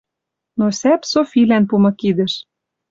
Но сӓп Софилӓн пумы кидӹш: